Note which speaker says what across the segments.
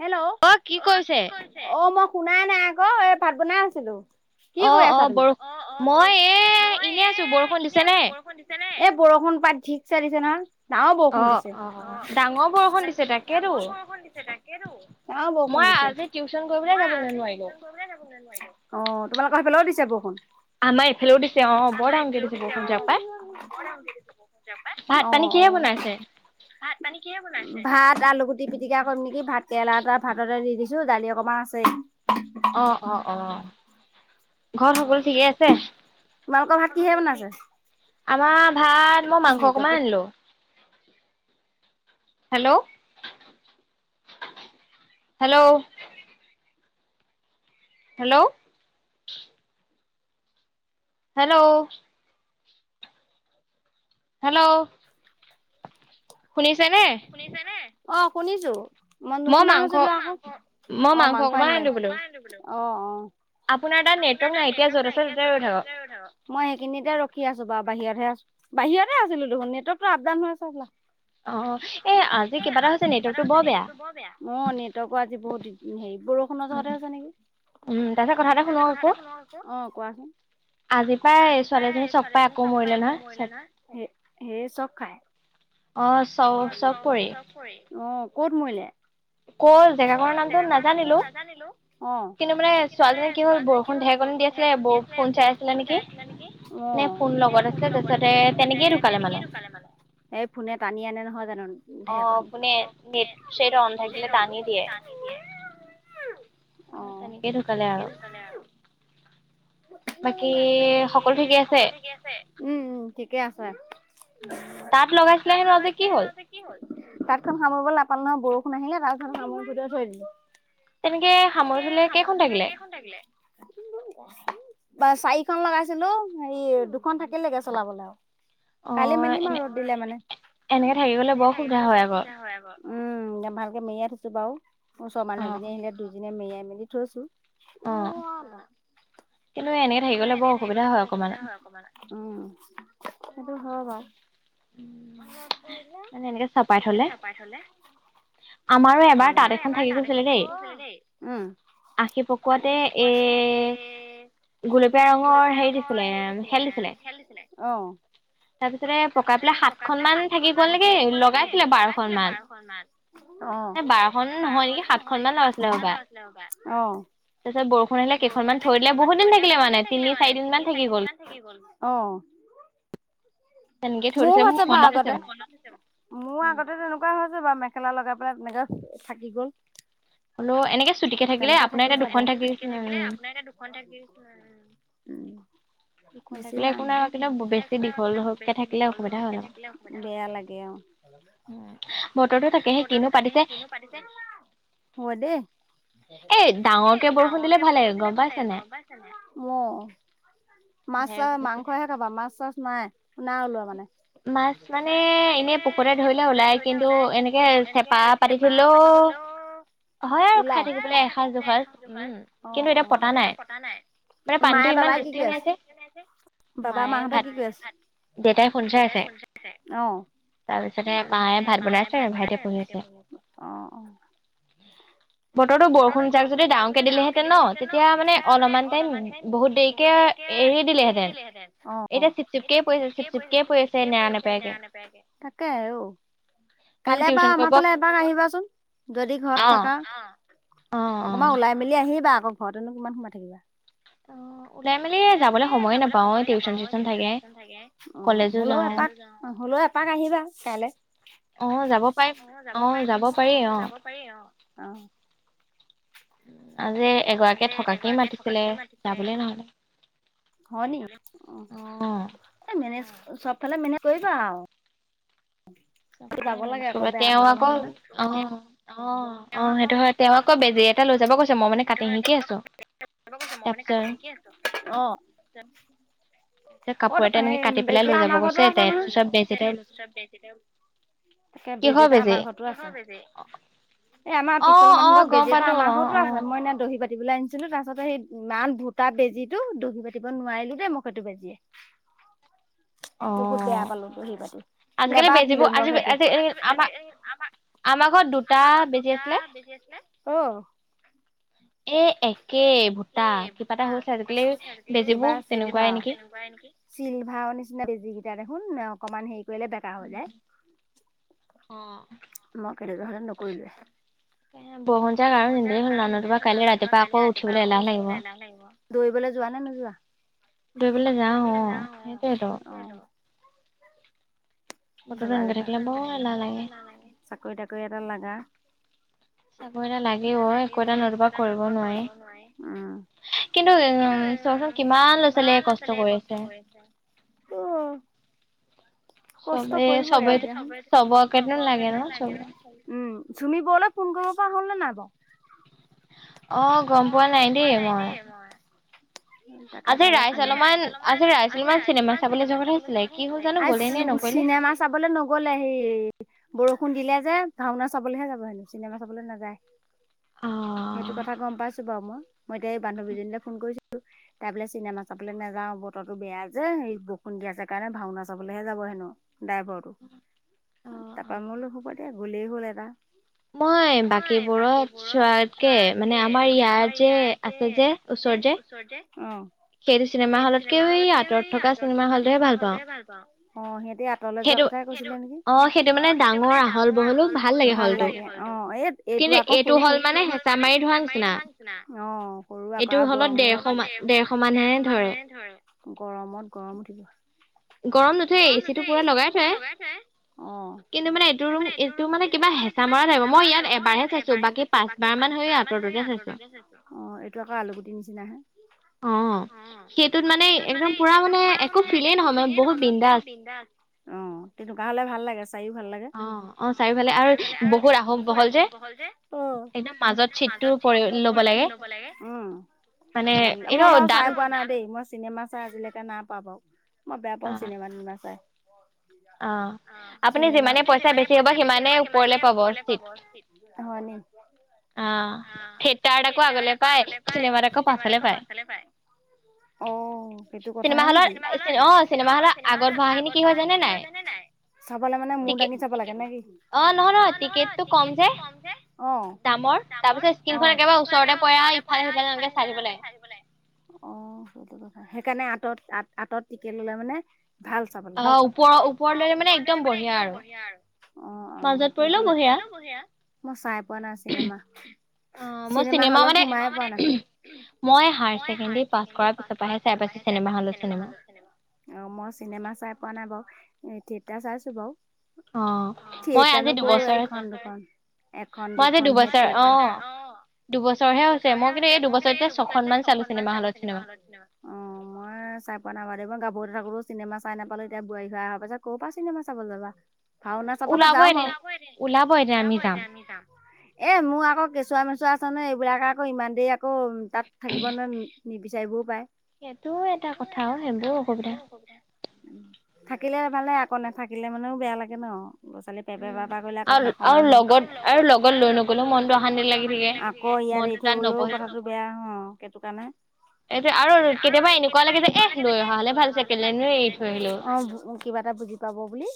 Speaker 1: Hello?
Speaker 2: অ', কি কৰিছে?
Speaker 1: অ', মই শুনাই নাই আকৌ এ, ভাত বনাই আছিলো। কি কৰি আছা তুমি? অ', অ', বৰ মই এ, এনে আছো বৰষুণ দিছে এই বৰষুণ পাই থিকচে দিছে নহয়। ডাঙৰ বৰষুণ দিছে। দাঙৰ বৰষুণ দিছে। মই আজি টিউছন কৰিব কৰিব এ যাবলে নোৱাৰিলো। অ', তোমালোকৰ সেইফালেও দিছে বৰষুণ? আমাৰ এইফালেও দিছে অ', বৰ ডাঙৰ কে দিছে। অ', অ'। ভাত পানি কিহে বনাইছে? ভাত আলুগুটি পিটিকা কৰিম নেকি, ভাত কেৰেলা এটা ভাততে দি দিছো দালি অকণমান আছেই।
Speaker 2: অ', অ', অ', ঘৰত সকলো ঠিকেই আছে?
Speaker 1: তোমালোকৰ ভাত কিহে বনাইছে?
Speaker 2: আমাৰ ভাত মই মাংস অকণমান আনিলোঁ। Hello hello? Hello? Hello. Hello. শুনিছানে?
Speaker 1: শুনিছা নে? অ' শুনিছো। মন নুশুনা হৈছিলো। অ' মাংস আনিলে অ', অ'। আপোনাৰ তাত নেটৱৰ্ক নাই এতিয়া য'ত আছে তাতে ৰৈ থাকক। মই সেইখিনিতে ৰখি আছো বাৰু, বাহিৰততে আছো, বাহিৰতে আছিলো দেখোন নেটৱৰ্কটো আপ ডাউন হৈ আছে হ'বলা
Speaker 2: অ' এ আজি কিবা এটা হৈছে
Speaker 1: অ' নেটৱৰ্কৰ আজি বহুত হেৰি বৰষুণৰ জহতে হৈছে নেকি।
Speaker 2: উম তাৰ পাছত কথা এটা শুনক আকৌ
Speaker 1: অ' কোৱাচোন।
Speaker 2: আজি পায় ছোৱালীজনী চব পাই আকৌ মৰিলে নহয় চব
Speaker 1: হেৰি, হেৰি চক খায়।
Speaker 2: অ'।
Speaker 1: অ' ক'ত মৰিলে? [unintelligible] জেগাকণৰ নামটো নাজানিলো, অ'। কিন্তু মানে ছোৱালীজনী কি হ'ল বৰষুণ ঢেৰকনি দি আছিলে ব- ফোন চাই আছিলে নেকি, ফোন লগত আছিলে তাৰপিছতে তেনেকে ঢুকালে মানে এই ফোনে টানি আনে নহয় জানো
Speaker 2: অ', ফোনে নেট চেট অন থাকিলে টানি দিয়ে, তেনেকেই ঢুকালে আৰু বাকী সকলো ঠিকে আছে?
Speaker 1: উম, উম ঠিকে আছে।
Speaker 2: উম তাঁত লগাইছিলা হেনো আজি কি হ'ল?
Speaker 1: তাঁতখন সামৰিব নাপালো নহয় বৰষুণ আহিলে, তাঁতখন সামৰিব থৈ দিলো।
Speaker 2: তেনেকে সামৰি থলে, কেইখন থাকিলে?
Speaker 1: চাৰিখন লগাইছিলো, হেৰি দুখন থাকিলেগে চলাবলৈ আৰু কালি মেলিম আৰু ৰ'দ দিলে মানে। উম ভালকে মেৰিয়াই থৈছো বাৰু। ওচৰৰ মানুহজনী আহিলে দুইজনীয়ে মেৰিয়াই মেলি থৈছো।
Speaker 2: অ' কিন্তু এনেকে থাকি গ'লে বৰ অসুবিধা হয় অকমান
Speaker 1: উম সেইটো হয় বাৰু। [unintelligible] এনেকে চাপাই থলে। আমাৰো এবাৰ তাঁত এখন থাকিব [unintelligible]
Speaker 2: আশী পকোৱাতে এ
Speaker 1: গুলপীয়া ৰঙৰ হেৰি দিছিলে খেল দিছিলে, অ'। তাৰপিছতে পকাই পেলাই সাতখনমান থাকি গ'ল নেকি লগাইছিলে বাৰখন মান। অ' বাৰখন নহয় নেকি সাতখন মান [unintelligible] অ'।
Speaker 2: তাৰ পিছত বৰষুণ আহিলে কেইখনমান থৈ দিলে বহুত দিন থাকিলে মানে তিনিদিন চাৰিদিনমান থাকি গ'ল।
Speaker 1: অ'। মোৰ আছে বাৰু আগতে, মোৰ আগতে তেনেকু হৈছে বাৰু মেখেলা লগাই পেলাই তেনেকা থাকি গ'ল। তেনেকে থাকি যাব। এনেকে চুটিকে থাকিলে আপোনাৰ [unintelligible] উম। বেছি নাই নহয়। [unintelligible] বেয়া লাগে অ'। হয় দেই। এ ডাঙৰকে বৰষূণ দিলে ভাল লাগে। গম পাইছা নে? মাংসহে খাবা, মাছ চাছ নাই। নাই ওলোৱা মানে।
Speaker 2: মাছ মানে এনেই পুখুৰিতে ধৰিলে ওলায়। কিন্তু এনেকৈ চেপাত
Speaker 1: চেপা পাতি থলেও। [unintelligible] এসাজ-দুসাজ। অ' অ' কিন্তু এতিয়া কতা নাই, মায়ে বাবাই কি কৰি আছে বাবা মাহঁতে কি কৰি আছে? দেউতাই [inaudible] অ'। তাৰপিছতে মায়ে ভাত বনাইছে, ভাইটিয়ে পঢ়ি আছে। অ' অ'!
Speaker 2: বতৰতো বৰষুণ জাক যদি ডাঙৰকে দিলেহেঁতেন ন, তেতিয়া মানে অলমান টাইম বহুত দেৰিকে এৰি দিলেহেঁতেন এতিয়া চিপচিপকেই পৰিছে।
Speaker 1: কে পৰি আছে নেৰা-নেপেৰাকে। তাকে অ'! কাইলে এবাৰ আমাৰ ফালে এপাক আহিবাচোন, যদি ঘৰত থকা। অ'!
Speaker 2: অ' অ'।
Speaker 1: আবেলি আহিবা আকৌ, ঘৰতেনো কিমান সোমাই থাকিবা।
Speaker 2: অ'।
Speaker 1: ওলাই মেলি যাবলৈ সময়ে নাপাও, টিউচন চিউচন থাকে। হলেও এপাক এপাক আহিবা কাইলে।
Speaker 2: অ' যাব পাৰিম। অ' যাব পাৰি অ'।
Speaker 1: পাৰি অ' অ'।
Speaker 2: আজি এগৰাকীয়ে থকাকেই মাতিছিলে, যাবলে নহলে।
Speaker 1: হয়নি? অ' মেনেজ চবফালে মেনেজ কৰিবা আও। [inaudible]
Speaker 2: চবফালে মেনেজ কৰিবা, তেওঁ আকৌ অ' অ' অ সেইটো হয়, তেওঁ আকৌ বেজি এটা লৈ যাব কৈছে মই মানে কাটিং শিকি আছো। তাৰপিছত
Speaker 1: অ'। অ' বেজী এটা আমাৰ ঘৰতো আছে নহয়। তাকে বেজী এটা আমাৰ ঘৰতো আছে। কিহৰ বেজি? এ আমাৰ পিছালৰ মানুহ ঘৰ বেজী এটা আমাৰ ঘৰতো আছে, মই সেইদিনা দহি বাতি বাতিবলে আনিছিলো, তাৰপাছতে সেই ইমান ভূটা বেজীটো দহি বাতিব নোৱাৰিলো দেই মই সেইটো বেজীয়ে।
Speaker 2: [inaudible] অ' আজিকালি বেজীবোৰ [unintelligible] আমাৰ ঘৰত দুট
Speaker 1: আমাৰ ঘৰত দুটা বেজী আছিলে। অ'!
Speaker 2: এ এক
Speaker 1: উম, একে ভূটা কিবা এটা হৈছে আজিকালি কিবা চিনিবা আও, তেনেকুৱাই নেকি? চিল্ভাৰৰ নিচিনা বেজী কেইটা দেখোন অকমান হেৰি কৰিলে বেকা হৈ যায়।
Speaker 2: অ'।
Speaker 1: মই তেনেকে হলে নকৰিলোৱে।
Speaker 2: বৰষুণ জাক আৰু নিদিলেই হল, নতুবা কাইলে ৰাতিপুৱা আকৌ উঠিবলৈ এলাহ লাগিব।
Speaker 1: লাগিব। দৌৰিবলে যোৱা নে নোযোৱা?
Speaker 2: দৌৰিবলে যাওঁ, অ' সেইটোয়েতো।
Speaker 1: যাবা যাবা চাকৰি-তাকৰি এটাত লাগা।
Speaker 2: চাকৰি এটা লাগে অ' একো এটা নতুবা কৰিব নোৱাৰি। কিন্তু উম চচোৱাচোন, কিমান ল'ৰা ছোৱালীয়ে কষ্ট কৰি আছে।
Speaker 1: উম। কট কৰিবই আৰু দিয়াচোন, চবকেটো লাগে ন চ উম, চুমি বৰুৱালে ফোন কৰিব পৰা হ'ল নে নাই বাৰু?
Speaker 2: আহ, গম পোৱা নাই দেই মই। আজি ৰাইজ অলপমান, আজি ৰাইজ অলপমান চিনেমা চাবলৈ জোৱা কথা আছিলে কি হ'ল জানো গ'লে নে নগলে।
Speaker 1: চিনেমা চাবলৈ নগ'লে হে বৰষুণ দিলে যে, ভাওনা চাবলেহে যাব হেনো চিনেমা চাবলৈ নাযায়।
Speaker 2: অ'।
Speaker 1: সেইটো কথা গম পাইছো বাৰু মই, মই এতিয়া এই বান্ধৱীজনীলৈ ফোন কৰিছিলো তাই বোলে চিনেমা চাবলৈ নাযাওঁ বতৰটো বেয়া যে, স বৰষুণ দি আছে কাৰণে ভাওনা চাবলেহে যাব হেনো। ড্ৰাইভৰটো, তাৰাপা মই বোলো হ'ব দিয়া গলেই হ'ল এটা।
Speaker 2: মই বাকীবোৰত জোৱাতকে, মানে আমাৰ ইয়াত যে আছে যে
Speaker 1: যে ওচৰতে, অ'। সেইটো চিনেমা হলতকে এই আঁতৰত থকা চিনেমা হলতোৱে ভাল পাওঁ, অ' সে ত যোৱা কথাই কৈছিলে, অ' সেইটো মানে ডাঙৰ আহল বহল ভাল লাগে অ' এই এইটো আকৌ সৰু, এইটো হ'ল মানে হেঁচা মাৰি ধৰা নিচিনা, অ' [unintelligible] সৰু আকৌ আৰু গৰম এইটো হলত দেৰশ মান দেৰশ মানহে ধৰে, গৰমত গৰম উঠিব। গৰম নধৰে, এ এচিটো পোৰা লগাই থৈ অ', কিন্তু মানে এইটো, এইটো মানে কিবা হেঁচা মৰা টাইপৰ, মই ইয়াত এবাৰহে চাইছো বাকী পাঁচবাৰ মান সেই আঁতৰততে চাইছো। অ', এইটো আকৌ আলুগুটিৰ নিচিনাহে।
Speaker 2: অ', সেইটোত মানে একদম পুৰা মানে একো ফিলেই নহয় মানে বহুত বিন্দাছ।
Speaker 1: [unintelligible] অ', তেনেকুৱা হলে ভাল লাগে চাইও ভাল লাগে, অ' অ' চাই ভাল লাগে আৰু বহুত আহস বহল যে অ'। একদম মাজত চিটটোও পৰি ল'ব লাগে, উম। ভাল, মই বাৰু চাই পোৱা নাই দেই মই চিনেমা চাই আজিলৈকে নাই পোৱা, মই বেয়া পাওঁ চিনেমা তিনেমা চাই।
Speaker 2: অ', আপুনি যিমানে পইচা বেছি হ'ব, সিমানেই ওপৰলে পাব চিট।
Speaker 1: হয় নেকি। অ', থিয়েটাৰট আকৌ আগলৈ পাই, চিনেমাত আকৌ পিছলৈ পায়। অ', সেইটো কথাহে নেকি, [unintelligible] অ' [unintelligible] মানে মোৰ দাঙি চাব লাগে নেকি?
Speaker 2: অ', নহয় নহয়, টিকেট টো কম যে।
Speaker 1: [unintelligible] অ', নামৰ তাতটোছ স্কিনখন একেবাৰে ওচৰতে পৰে আৰু ইফালে সিফালে এনেকে চাই থাকিব লাগে। অ', সেইটো কথা, সেইকাৰণে আঁতত, আঁতৰত টিকেট ল'লে মানে ভাল চাবলে, অ', অ', ওপৰ, ওপৰ লৈকে মানে একদম বঢ়িয়া আৰু। অ', অ', মাজত পৰিলেও বঢ়িয়া, মই চাই পোৱা নাই চিনেমা। চিনেমা হলত সোমাইে পোৱা নাই।
Speaker 2: মই হায়াৰ ছেকেণ্ডেৰী পাছ কৰাৰ পিছৰ পৰাহে চাই পাইছো, চিনেমা হলত চিনেমা।
Speaker 1: অ', মই চিনেমা চাই পোৱা নাই বাৰু থিয়েটাৰ চাইছো বাৰু।
Speaker 2: অ', মই আজি দুবছৰে মই আজি দুবছৰ, অ'। দুবছৰ হে হৈছে, মই কিন্তু এই দুবছৰতে ছয়খনমান চালো চিনেমা হলত চিনেমা।
Speaker 1: অ', মই চাই পোৱা ন বাৰ মই গাভৰু থাকো চিনেমা চাই নাপালো এতিয়া বোৱাৰী হৈ অহাৰ পাছত ছ ক'ৰ পৰা চিনেমা চাবলৈ যাবা ভাওনা চাবলৈ যাওঁ বাও ওলাব এদিন আমি যাম এ মোৰ আকৌ কেঁচুৱা মেচুৱা আছে নয় এইবিলাক আকৌ ইমান দেৰি আকৌ তাত থাকিব নি নিবিচাৰিবও পাৰে
Speaker 2: সেইটোও এটা কথা অ সেইবোৰো অসুবিধা
Speaker 1: উম থাকিলে ভালে আকৌ নেথাকিলে মানেও বেয়া লাগে ন ল'ৰা ছোৱালী পেপে পাপি কৰিলে আকৌ কাষৰ মানুহ আকৌ ইয়াত থৈ গলেও কথাটো বেয়া অ সেইটো কাৰণে
Speaker 2: এইটো আৰু কেতিয়াবা এনেকুৱা লাগে যে এহ লৈ অহা হলে ভাল আছিল কেলেইনো
Speaker 1: অ কিবা এটা বুজি পাব বুলি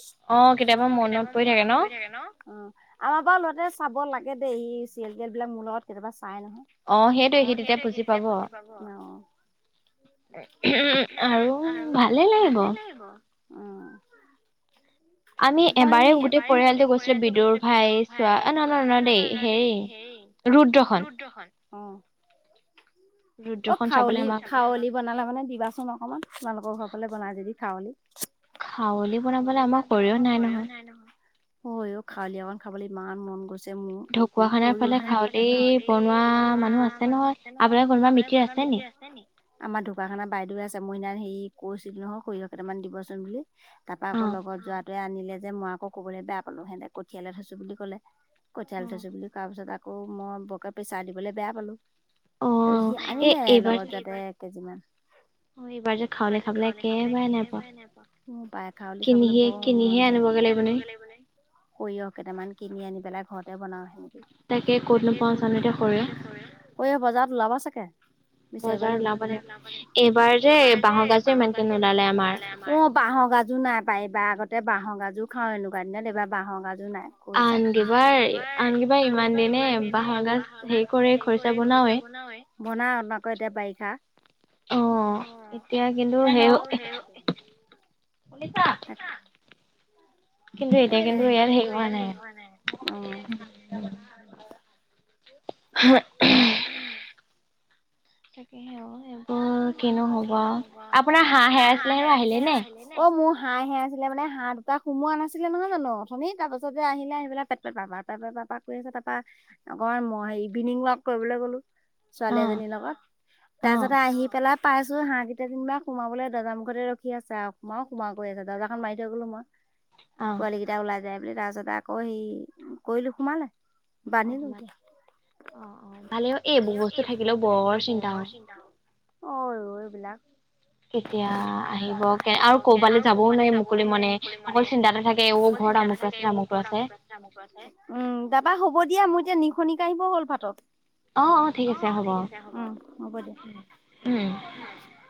Speaker 1: অ কেতিয়াবা মনত পৰি থাকে ন আমাৰ বাৰু লৰাটোৱে চাব লাগে দেই ই চিৰিয়েল তিৰিয়েল বিলাক মোৰ লগত কেতিয়াবা চায় নহয় অ সেইটোৱে সেইটোৱে তেতিয়া বুজি পাব অ
Speaker 2: আৰু ভালেই লাগিব
Speaker 1: উম
Speaker 2: [inaudible] আমি এবাৰে গোটেই পৰিয়ালটো গৈছিলো বিদুৰ ভাই চোৱা অ নয় নয় নয় দেই হেৰি
Speaker 1: ৰুদ্ৰ খন অ
Speaker 2: [inaudible]
Speaker 1: অ খাৱলি খাৱলি বনালে মানে দিবাচোন অকনমান তোমালোকৰ ঘৰৰ ফালে বনায় যদি খাৱলি
Speaker 2: খাৱলী বনাবলে আমাৰ সৰিয়হ নাই নহয়
Speaker 1: [inaudible] হয় অ খাৱলি অকন খাবলৈ ইমান মন গৈছে মোৰ
Speaker 2: ঢকুৱাখানাৰ ফালে খাৱলি বনোৱা মানুহ আছে নহয় আপোনাৰ
Speaker 1: আপোনাৰ কোনোবা মিতিৰ আছে নি আমাৰ ঢুকাখানা বাইদেউ আছে মই সিনাখন হেৰি কৈছিলো নহয় সৰিয়হ কেইটামান দিবচোন বুলো তাৰপা আকৌ লগত যোৱাটোৱে আনিলে যে মই আকৌ ক'বলৈ বেয়া পালো সিহতে কঠিয়ালৈ থৈছো বুলি কলে কঠিয়াল থৈছো বুলি কোৱাৰ পিছত আকৌ মই বৰকে পেছাৰ দিবলৈ বেয়া পালো তাপা সি আনিলে লগত যোৱাটোৱে এক কেজি মান
Speaker 2: এইবাৰ যে খাৱলি খাবলৈ একেবাৰে নাই পোৱা
Speaker 1: উ পাই খাৱলি খাবলৈ বৰ মন যায় সৰিয়হ কেইটামান কিনি আনি পেলাই ঘৰতে বনাও হে নেকি
Speaker 2: তাকে ক'ত নো পাওঁ জানো এতিয়া সৰিয়হ
Speaker 1: সৰিয়হ বজাৰত ওলাব চাগে বিচাৰিব লাগিব এ বাঁহৰ গাজো ইমানকে নোলালে আমাৰ ইয়াত অ বাঁহৰ গাজো নাই পায় এবাৰ আগতে বাঁহৰ গাজো খাওঁ এনে [unintelligible] এইবাৰ বাঁহৰ গাজো নাই কৈছা আনকিবাৰ আনকিবাৰ ইমান দিনে বাঁহৰ গাজ হেৰি কৰি খৰিচা বনাওৱে বনাও তোন আকৌ এতিয়া বাৰিষা অ' সেয়া কিন্তু হেই
Speaker 2: শুনিছা
Speaker 1: [inaudible] তাকে অ'
Speaker 2: [inaudible]
Speaker 1: [inaudible]
Speaker 2: তাকেহে অ এইবোৰ কিনো হ'ব আও আপোনাৰ হাঁহ হেৰাইছিলে হেনৌ আহিলে নে
Speaker 1: অ', মোৰ হাঁহে আছিলে মানে হহ দুটা সোমোৱা নাছিলে নহয়, জানো অথনি তাৰ পাছতে আহিলে আহি পেলাই পেট পেট পাব তাৰ পৰা পাপা কৈ আছে, তাৰ পৰা আকৌ মই ইভিনিং ৱাক কৰিবলৈ গলো। ছোৱালী এজনীৰ লগত তাৰ পিছতে আহি [unintelligible] পেলাইছো, হাঁহকেইটা নিব সোমাবলৈ দৰ্জা মুখতে ৰি আছে আৰুকমাৰো সোমোৱা কৰি দৰ্জাখন মাৰি থৈ গলো মই
Speaker 2: [inaudible]
Speaker 1: পোৱালি কেইটা ওলাই যায় বুলি তাৰপিছত আকৌ সেই কৰিলো সোমালে। বান্ধলি [unintelligible] অ', ৰৈ বিলাক এতিয়া আহিব আৰু ক'বালৈ যাবও নোৱাৰি মুকলি মনে অকল চিন্তা উম', তাপা হ'ব দিয়া মোৰ এতিয়া নিখনি কাহিব হ'ল এতিয়া ভাতত উম', হ'ব দিয়া।
Speaker 2: উম',
Speaker 1: উম',